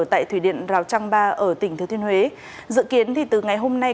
tại thủy điện rào trăng ba ở tỉnh thứ thiên huế dự kiến thì từ ngày hôm nay